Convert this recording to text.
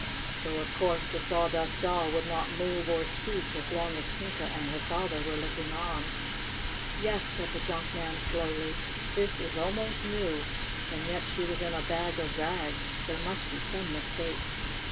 Though, of course, the Sawdust Doll would not move or speak as long as Tinka and her father were looking on. "Yes," said the junk man slowly, "this A HAPPY VISIT 99 is almost new. And yet she was in a bag of rags. There must be some mistake."